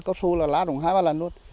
cao su là lá rùng hai ba lần luôn